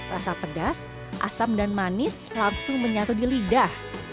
rasa pedas asam dan manis langsung menyatu di lidah